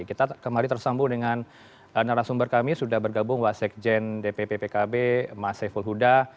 kita kemarin tersambung dengan narasumber kami sudah bergabung wasek jen dpp pkb mas hei fulhuda